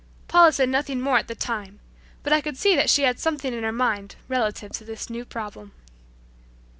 Paula said nothing more at the time, but I could see that she had something in her mind relative to this new problem.